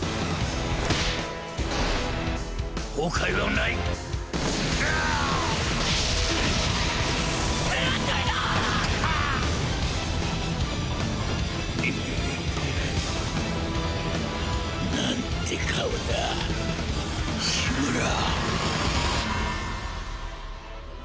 なんて顔だ志村！